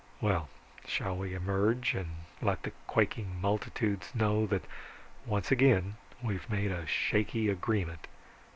"Well, shall we emerge and let the quaking multitudes know that once again we have made a shaky agreement?